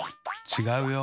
ちがうよ。